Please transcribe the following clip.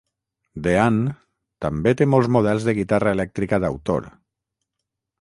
Dean també té molts models de guitarra elèctrica d'autor.